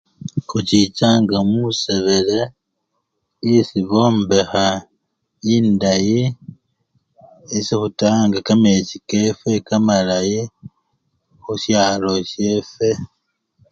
Khuchichanga musebele esii bombeha endayi esii khutayanga kamechi kefwe kamalayi khusyalo shefwe